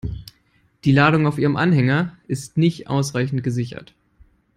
Die Ladung auf Ihrem Anhänger ist nicht ausreichend gesichert.